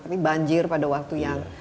tapi banjir pada waktu yang